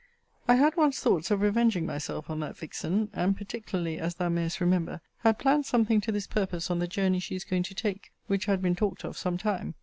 I had once thoughts of revenging myself on that vixen, and, particularly, as thou mayest* remember, had planned something to this purpose on the journey she is going to take, which had been talked of some time.